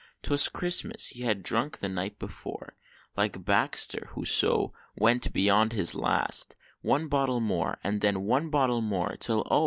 'Twas Christmas he had drunk the night before, Like Baxter, who so "went beyond his last" One bottle more, and then one bottle more, Till oh!